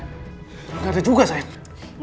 gak ada juga sayang